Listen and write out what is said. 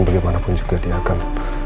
bagaimanapun juga dia akan